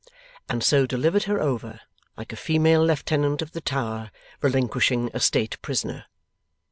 and so delivered her over, like a female Lieutenant of the Tower relinquishing a State Prisoner.